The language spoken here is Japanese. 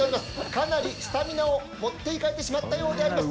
かなりスタミナを持っていかれてしまったようであります。